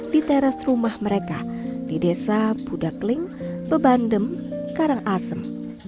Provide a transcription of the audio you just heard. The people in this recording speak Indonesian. di teras rumah mereka di desa budakling bebandem karangasem